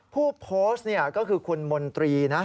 ผู้โพสต์เนี่ยก็คือคุณมนตรีนะ